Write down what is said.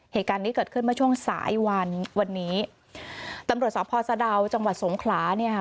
เหตุการณ์ที่เกิดขึ้นมาช่วงสายวันวันนี้ตำลดสังพอศดาวจังหวัดสงขลาเนี่ยฮะ